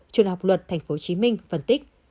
trường học luật tp hcm phân tích